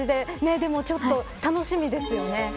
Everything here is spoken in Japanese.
でも、ちょっと楽しみですよね。